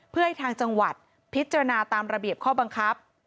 เพื่อให้ทางจังหวัดพิจารณาตามระเบียบข้อบังคับ